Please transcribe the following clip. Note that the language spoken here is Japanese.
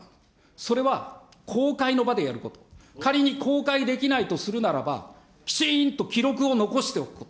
それは、公開の場でやること、仮に公開できないとするならば、きちんと記録を残しておくこと。